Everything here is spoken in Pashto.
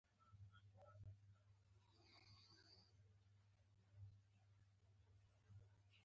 شمېر یې له دوو څخه شپږو ته ډېر شوی و.